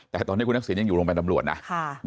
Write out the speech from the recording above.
แต่ตอนนี้คุณทักษิณยังอยู่โรงพยาบาลตำรวจนะ